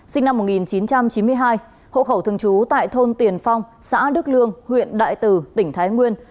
sinh năm một nghìn chín trăm chín mươi hai hộ khẩu thường trú tại thôn tiền phong xã đức lương huyện đại từ tỉnh thái nguyên